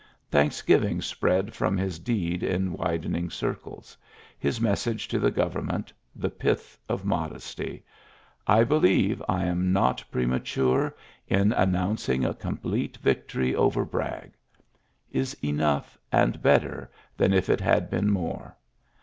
Thanksgiving spread from his deed in widening circles. His message to the government^ the pith of modesty, ^*I believe I am not premature in announc ing a complete victory over Bragg/' is enough and better than if it had been more.